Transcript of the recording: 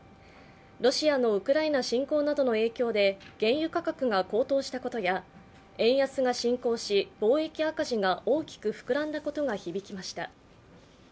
ロシアのウクライナ侵攻などの影響で原油価格が高騰したことや円安が進行し、貿易赤字が大きく膨らんだことが響きました。